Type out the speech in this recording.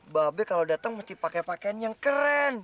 babe kalo dateng mesti pake pakean yang keren